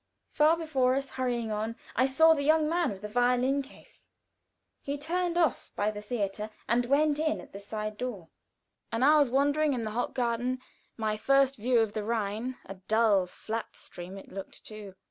Far before us, hurrying on, I saw the young man with the violin case; he turned off by the theater, and went in at a side door. An hour's wandering in the Hofgarten my first view of the Rhine a dull, flat stream it looked, too.